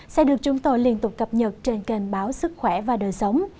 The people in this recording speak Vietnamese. sẽ được chúng tôi liên tục cập nhật trên kênh báo sức khỏe và đời sống